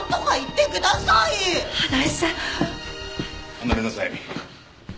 離れなさい。